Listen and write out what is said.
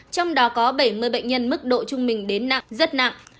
trong đó có bảy mươi bệnh nhân mức độ trung bình đến nặng rất nặng